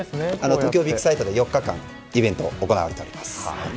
東京ビッグサイトで４日間イベントが行われております。